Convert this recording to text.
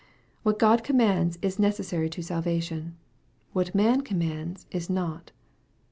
What God commands is necessary to salvation. What man commands is not.